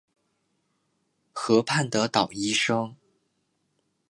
河畔的捣衣声